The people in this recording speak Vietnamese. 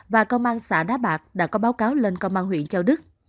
và công an xã đá bạc đã có báo cáo lên công an huyện châu đức